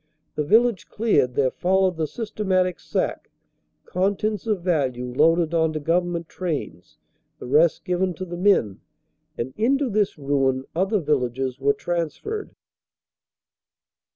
The village cleared, there followed the systematic sack; con tents of value loaded on to government trains, the rest given to the men. And into this ruin other villages were transferred.